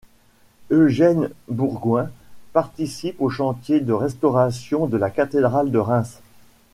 Eugène Bourgouin participe au chantier de restauration de la cathédrale de Reims.